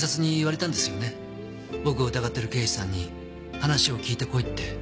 僕を疑ってる刑事さんに話を聞いてこいって。